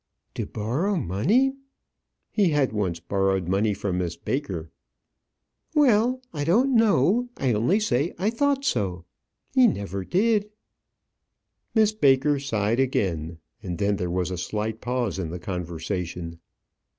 "To borrow money!" He had once borrowed money from Miss Baker. "Well, I don't know; I only say I thought so. He never did." Miss Baker sighed again, and then there was a slight pause in the conversation.